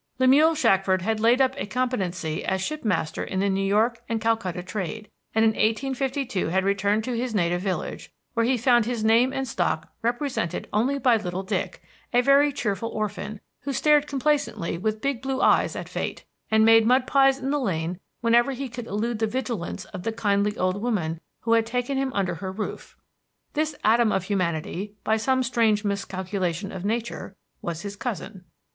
Lemuel Shackford had laid up a competency as ship master in the New York and Calcutta trade, and in 1852 had returned to his native village, where he found his name and stock represented only by little Dick, a very cheerful orphan, who stared complacently with big blue eyes at fate, and made mud pies in the lane whenever he could elude the vigilance of the kindly old woman who had taken him under her roof. This atom of humanity, by some strange miscalculation of nature, was his cousin.